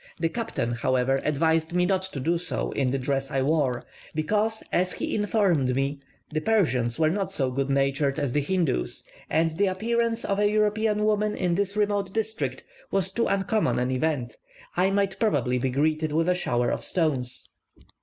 The captain, however, advised me not to do so in the dress I wore; because, as he informed me, the Persians were not so good natured as the Hindoos, and the appearance of a European woman in this remote district was too uncommon an event; I might probably be greeted with a shower of stones.